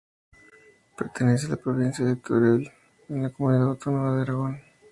Pertenece a la provincia de Teruel, en la comunidad autónoma de Aragón.